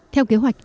theo kế hoạch